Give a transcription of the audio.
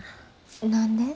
何で？